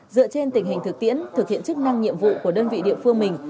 dựa trên tình hình thực tiễn thực hiện chức năng nhiệm vụ của đơn vị địa phương mình